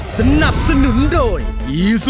สามารถ